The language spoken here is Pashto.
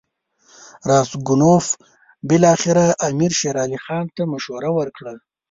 راسګونوف بالاخره امیر شېر علي خان ته مشوره ورکړه.